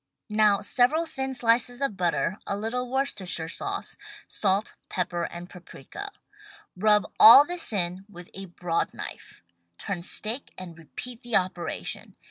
Now several thin slices of butter, a little Worcestershire sauce, salt, pepper and paprika. Rub all this in with a broad knife. Turn steak and repeat the operation.